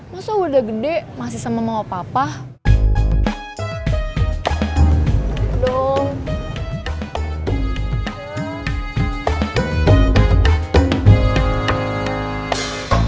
masa udah gede mah aku udah jadi anak anak